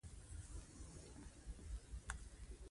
تااو تراو تر کا ته را سر ه ناست وې